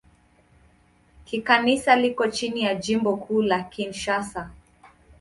Kikanisa liko chini ya Jimbo Kuu la Kinshasa.